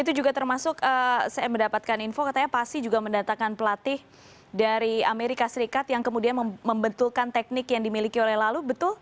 itu juga termasuk saya mendapatkan info katanya pasi juga mendatangkan pelatih dari amerika serikat yang kemudian membentulkan teknik yang dimiliki oleh lalu betul